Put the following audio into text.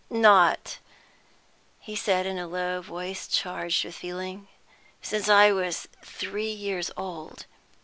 "Not," he said, in a low voice charged with feeling, "since I was three years old.